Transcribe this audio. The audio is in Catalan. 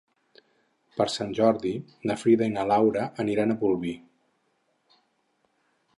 Per Sant Jordi na Frida i na Laura aniran a Bolvir.